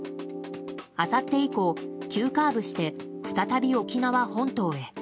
あさって以降、急カーブして再び沖縄本島へ。